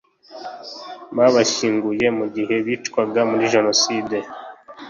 bahashyinguye mu gihe bicwaga muri Jenoside